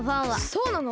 そうなの？